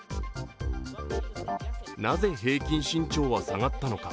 なぜ平均身長は下がったのか。